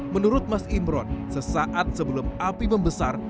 menurut mas imron sesaat sebelum api membesar